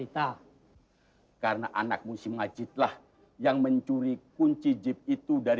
tapi jangan lupa